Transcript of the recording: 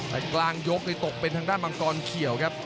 แต่กลางยกนี่ตกเป็นทางด้านมังกรเขียวครับ